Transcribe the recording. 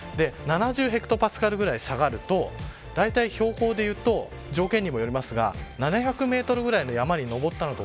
ヘクトパスカルぐらい下がるとだいたい標高でいうと条件にもよりますが７００メートルぐらい山に登ったのと